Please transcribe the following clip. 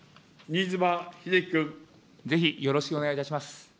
ぜひよろしくお願いいたします。